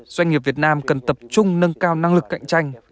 doanh nghiệp việt nam cần tập trung nâng cao năng lực cạnh tranh